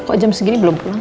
kok jam segini belum pulang